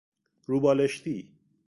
رو بالشتی